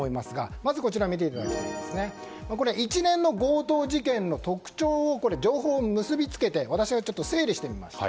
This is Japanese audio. まず、これは一連の強盗事件の特徴を情報を結びつけて私がちょっと整理してみました。